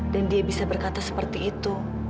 dan dia bisa berkata seperti itu